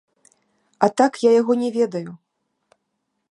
А так я яго не ведаю.